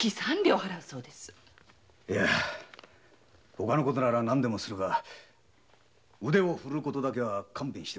ほかの事なら何でもするが腕をふるう事だけは勘弁しろ。